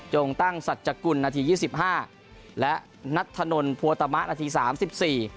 งตั้งสัจกุลนาทียี่สิบห้าและนัทธนลภวตมะนาทีสามสิบสี่